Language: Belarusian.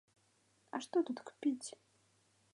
А што тут кпіць?